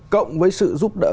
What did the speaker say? cộng với sự giúp đỡ